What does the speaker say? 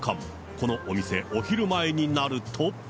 このお店、お昼前になると。